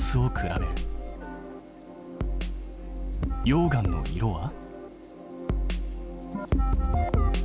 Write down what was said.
溶岩の色は？